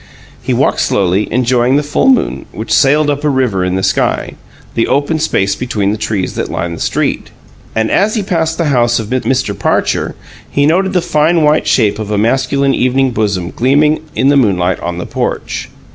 He walked slowly, enjoying the full moon, which sailed up a river in the sky the open space between the trees that lined the street and as he passed the house of Mr. Parcher he noted the fine white shape of a masculine evening bosom gleaming in the moonlight on the porch.